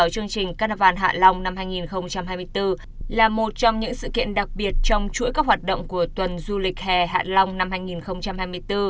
chương trình carnival hạ long năm hai nghìn hai mươi bốn là một trong những sự kiện đặc biệt trong chuỗi các hoạt động của tuần du lịch hè hạ long năm hai nghìn hai mươi bốn